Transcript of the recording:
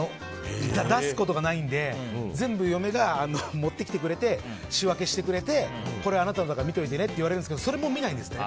出すことがないので全部、嫁が持ってきてくれて仕分けしてくれてこれあなたのだから見ておいてねって言われるんですけどそれも見ないんですね。